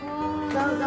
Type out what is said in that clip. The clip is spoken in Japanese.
どうぞ。